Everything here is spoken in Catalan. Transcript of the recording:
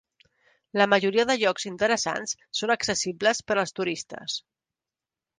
La majoria de llocs interessants són accessibles per als turistes.